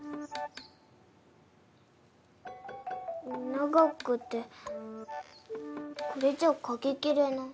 長くてこれじゃ書ききれない。